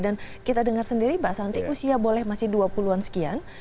dan kita dengar sendiri mbak santi usia boleh masih dua puluh an sekian